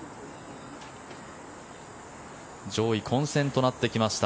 上位、混戦となってきました。